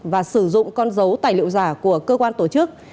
và sử dụng con dấu tài liệu giả của cơ quan tổ chức